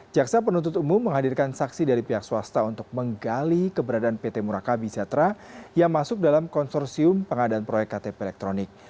jaksa penuntut umum menghadirkan saksi dari pihak swasta untuk menggali keberadaan pt murakabi jatra yang masuk dalam konsorsium pengadaan proyek ktp elektronik